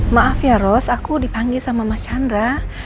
maaf ya ros aku dipanggil sama mas chandra